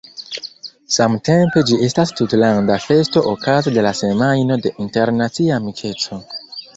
Samtempe ĝi estas tutlanda festo okaze de la Semajno de Internacia Amikeco.